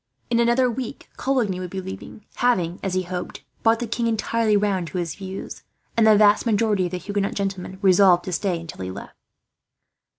In another week, Coligny would be leaving, having, as he hoped, brought the king entirely round to his views; and the vast majority of the Huguenot gentlemen resolved to stay until he left.